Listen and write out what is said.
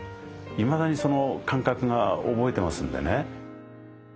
いまだにその感覚が覚えてますんでね。